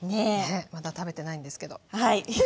まだ食べてないんですけど。